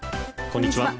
こんにちは。